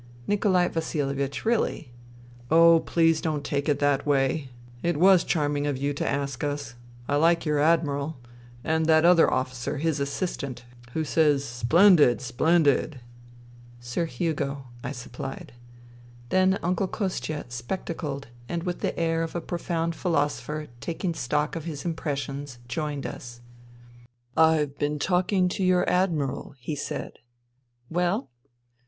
Nikolai Vasihevich, really !"" Oh, please don't take it that way. It was charming of you to ask us. I like your Admiral ... and that other officer, his assistant, who says ' Splen did ! Splendid!'" " Sir Hugo," I supplied. Then Uncle Kostia, spectacled, and with the air of a profound philosopher taking stock of his impres sions, joined us. " I've been talking to your Admiral," he said. " Well